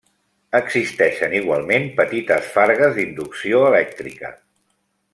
Existeixen igualment petites fargues d'inducció elèctrica.